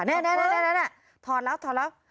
นี่ถอดแล้วถอดแล้ว